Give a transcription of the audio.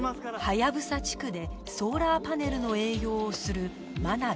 ハヤブサ地区でソーラーパネルの営業をする真鍋